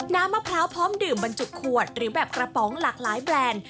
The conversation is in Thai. มะพร้าวพร้อมดื่มบรรจุขวดหรือแบบกระป๋องหลากหลายแบรนด์